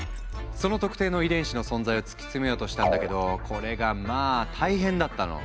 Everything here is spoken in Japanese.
その特定の遺伝子の存在を突き詰めようとしたんだけどこれがまあ大変だったの。